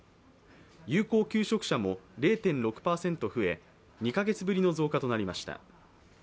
有効求職者も０．６％増え２カ月ぶりの増加となりました。